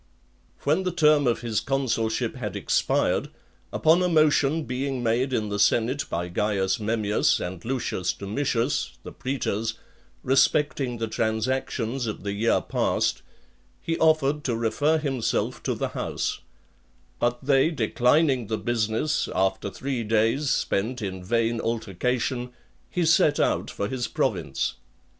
XXIII. When the term of his consulship had expired, upon a motion being made in the senate by Caius Memmius and Lucius Domitius, the praetors, respecting the transactions of the year past, he offered to refer himself to the house; but (16) they declining the business, after three days spent in vain altercation, he set out for his province.